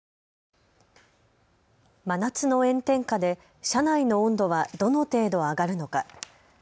真夏の炎天下で車内の温度はどの程度上がるのか。